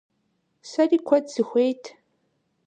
Сэри куэд сыхуейт.